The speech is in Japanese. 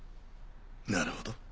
なるほど。